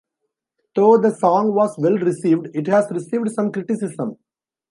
Though the song was well-received, it has received some criticism.